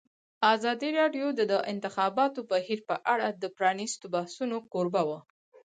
ازادي راډیو د د انتخاباتو بهیر په اړه د پرانیستو بحثونو کوربه وه.